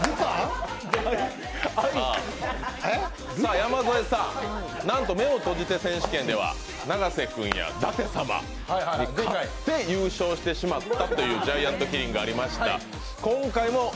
山添さん、なんと目を閉じて選手権では永瀬君や舘様にかって優勝してしまったというジャイアントキリングがありました。